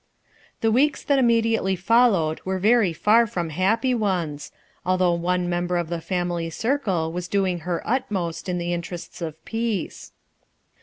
The weeks that immediately followed were very far from happy ones, although one mem ber of the family circle was doing her utmost in the interests of peace.